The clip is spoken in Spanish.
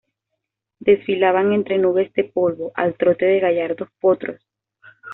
desfilaban entre nubes de polvo, al trote de gallardos potros